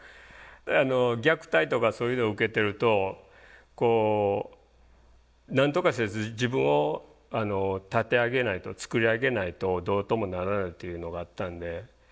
虐待とかそういうのを受けてるとこうなんとかして自分を立て上げないと作り上げないとどうともならないというのがあったんで。